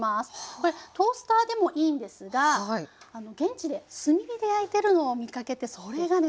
これトースターでもいいんですがあの現地で炭火で焼いてるのを見かけてそれがね